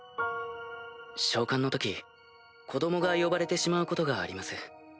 召喚の時子供が呼ばれてしまうことがあります。